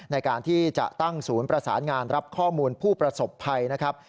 ในการที่จะตั้งศูนย์ประสานงานรับข้อมูลผู้ประสบภัยนะครับ